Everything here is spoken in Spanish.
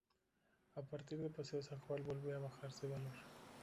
A partir de Paseo San Juan vuelve a bajar de valor.